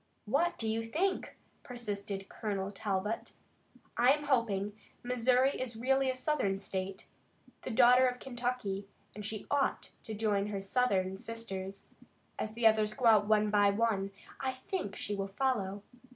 "What do you think?" persisted Colonel Talbot. "I am hoping. Missouri is really a Southern state, the daughter of Kentucky, and she ought to join her Southern sisters. As the others go out one by one, I think she will follow.